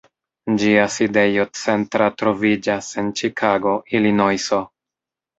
Ĝia sidejo centra troviĝas en Ĉikago, Ilinojso.